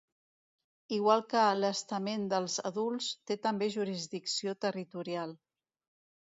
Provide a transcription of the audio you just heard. Igual que l'estament dels adults té també jurisdicció territorial.